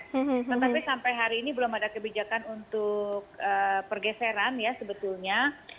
tetapi sampai hari ini belum ada kebijakan untuk pergeseran ya sebetulnya